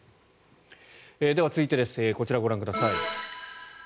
では、続いてこちらをご覧ください。